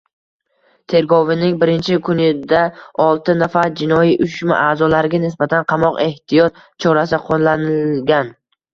Tergovining birinchi kunidaoltinafar jinoiy uyushma a’zolariga nisbatan qamoq ehtiyot chorasi qo‘llanilgan